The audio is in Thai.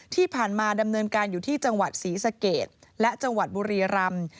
ที่ผ่านมาดำเนินการอยู่ที่จังหวัดศรีสะเกดและจังหวัดบุรีรำ